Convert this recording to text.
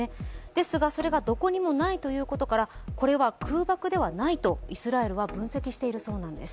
ですがそれがどこにもないことからこれは空爆ではないとイスラエルは分析しているそうなんです。